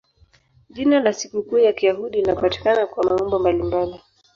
Jina la sikukuu ya Kiyahudi linapatikana kwa maumbo mbalimbali.